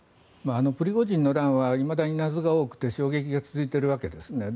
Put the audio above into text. プリゴジンの乱はいまだに謎が多くて衝撃が続いているわけですね。